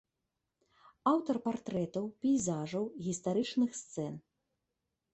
Аўтар партрэтаў, пейзажаў, гістарычных сцэн.